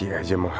aku agak bersumpah